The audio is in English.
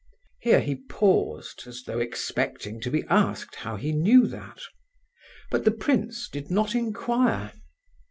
Here he paused, as though expecting to be asked how he knew that. But the prince did not inquire.